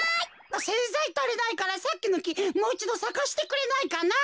せんざいたりないからさっきのきもういちどさかせてくれないかな。